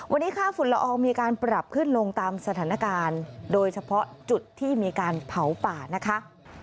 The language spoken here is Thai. วันนี้ค่าฝุ่นละอองมีการปรับขึ้นลงตามสถานการณ์โดยเฉพาะจุดที่มีการเผาป่านะคะ